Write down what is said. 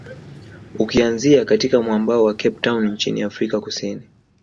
Ukianzia katika mwambao wa Cape Town nchini Afrika kusini